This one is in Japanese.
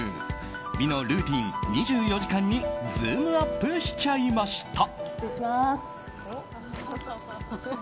美のルーティン２４時間にズームアップしちゃいました。